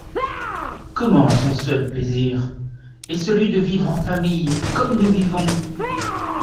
Comment, son seul plaisir ? et celui de vivre en famille comme nous vivons !